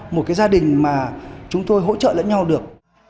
một cái gia đình mà chúng tôi hỗ trợ lẫn nhau được